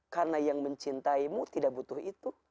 karena yang mencintaimu tidak butuh itu